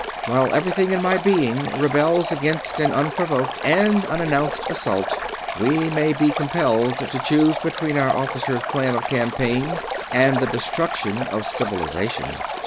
While everything in my being rebels against an unprovoked and unannounced assault, we may be compelled to choose between our Officer's plan of campaign and the destruction of Civilization.